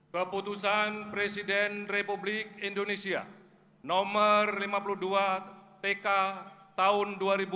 keputusan presiden republik indonesia nomor lima puluh dua tk tahun dua ribu dua puluh